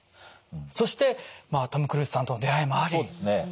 そしてまあトム・クルーズさんとの出会いもあり。